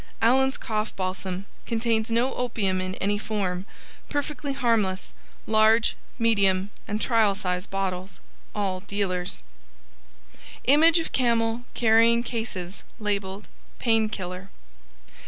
ALLEN'S COUGH BALSAM Contains no opium in any form. Perfectly harmless. LARGE, MEDIUM AND TRIAL SIZE BOTTLES. ALL DEALERS [Illustration: Image of camel carrying cases labels "Painkiller".